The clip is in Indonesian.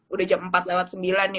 udah jam empat lewat sembilan nih